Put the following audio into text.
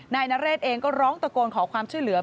นายนเรศเองก็ร้องตะโกนขอความช่วยเหลือ